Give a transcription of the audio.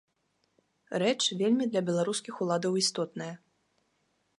Рэч, вельмі для беларускіх уладаў істотная.